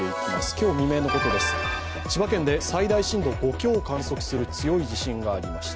今日未明のことです、千葉県で最大震度５強を観測する強い地震がありました。